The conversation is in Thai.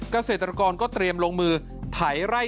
เกษตรกรก็เตรียมลงมือไถไร่